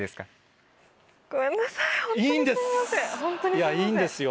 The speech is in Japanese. いやいいんですよ